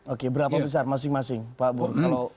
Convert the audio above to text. oke berapa besar masing masing pak bur